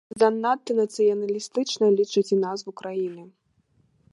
Занадта нацыяналістычнай лічаць і назву краіны.